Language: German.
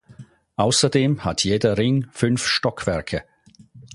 Außerdem hat jeder Ring fünf Stockwerke.